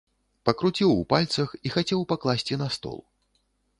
Пакруціў у пальцах і хацеў пакласці на стол.